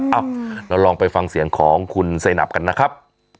เอ้าเราลองไปฟังเสียงของคุณเซนับกันนะครับ